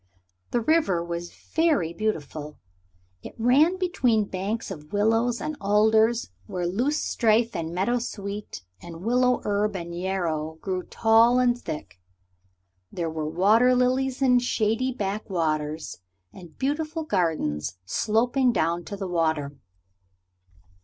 The river was very beautiful; it ran between banks of willows and alders where loosestrife and meadowsweet and willow herb and yarrow grew tall and thick. There were water lilies in shady back waters, and beautiful gardens sloping down to the water.